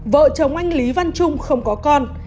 vợ chồng anh lý văn trung không có con